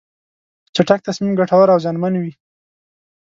چټک تصمیم ګټور او زیانمن وي.